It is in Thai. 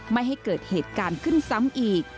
ไม่ให้เกิดเหตุการณ์ขึ้นซ้ำอีก